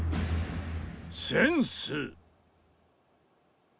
センス。